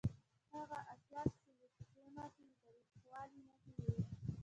هلته اتیا سلکیټونو کې د تاوتریخوالي نښې وې.